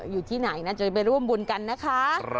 อยู่ที่ไหนน่าจะไปร่วมบุญกันนะคะ